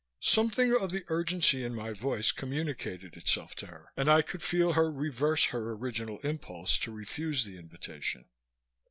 Something of the urgency in my voice communicated itself to her and I could feel her reverse her original impulse to refuse the invitation.